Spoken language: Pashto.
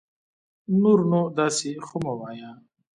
نور نو داسي خو مه وايه